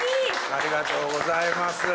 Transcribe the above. ありがとうございます。